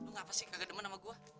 lo ngapasih kagak demen sama gua